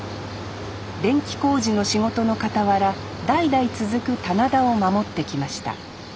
電気工事の仕事のかたわら代々続く棚田を守ってきました